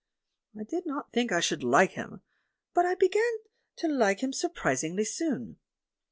I did not think I should like him, but I began to like him surprisingly soon.